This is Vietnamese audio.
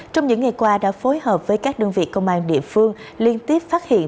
trong những ngày qua đã phối hợp với các đơn vị công an địa phương liên tiếp phát hiện